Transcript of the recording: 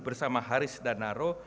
bersama haris dan naro